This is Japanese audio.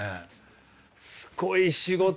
すごい仕事やな。